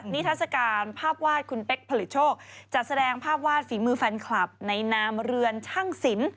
นิทัศกาลภาพวาดคุณเป๊กผลิตโชคจัดแสดงภาพวาดฝีมือแฟนคลับในนามเรือนช่างสิน